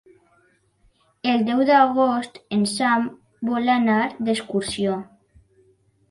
El deu d'agost en Sam vol anar d'excursió.